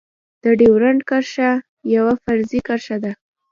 د ډيورند کرښه يوه فرضي کرښه ده.